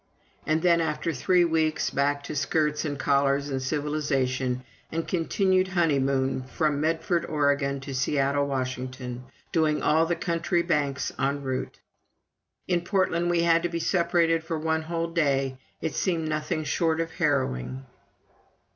And then, after three weeks, back to skirts and collars and civilization, and a continued honeymoon from Medford, Oregon, to Seattle, Washington, doing all the country banks en route. In Portland we had to be separated for one whole day it seemed nothing short of harrowing.